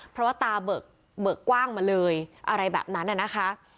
เพราะว่าตาเบิกเบิกกว้างมาเลยอะไรแบบนั้นน่ะนะคะ